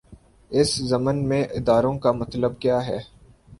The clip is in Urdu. اس ضمن میں اداروں کا مطلب کیا ہے؟